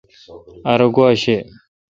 ار گوا شہ۔